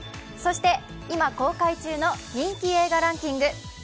そして今、公開中の人気映画ランキング。